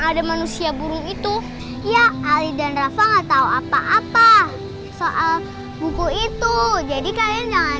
ada manusia burung itu ya ali dan rasa nggak tahu apa apa soal buku itu jadi kalian jangan